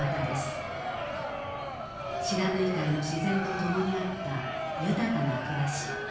不知火海の自然と共にあった豊かな暮らし。